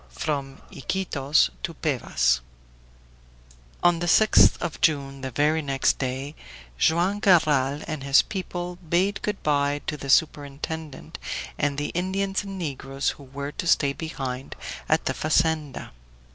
FROM IQUITOS TO PEVAS On the 6th of June, the very next day, Joam Garral and his people bade good by to the superintendent and the Indians and negroes who were to stay behind at the fazenda.